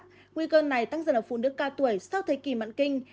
nguy cơ này tăng dần ở phụ nữ ca tuổi sau thế kỷ mạng kinh